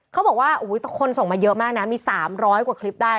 เขาบอกว่าคนส่งมาเยอะมากนะมี๓๐๐กว่าคลิปได้